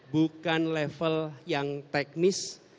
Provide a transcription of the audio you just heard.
bukan level yang teknis